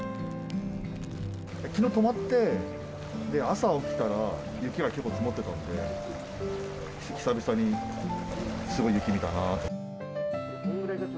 きのう泊まって、で、朝起きたら、雪が結構積もってたんで、久々に、すごい雪見たなと。